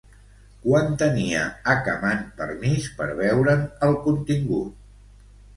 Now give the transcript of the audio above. Quan tenia Acamant permís per veure'n el contingut?